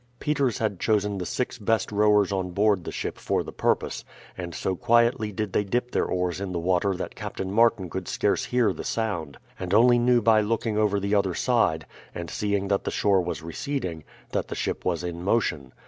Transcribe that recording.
Peters had chosen the six best rowers on board the ship for the purpose, and so quietly did they dip their oars in the water that Captain Martin could scarce hear the sound, and only knew by looking over the other side, and seeing that the shore was receding, that the ship was in motion.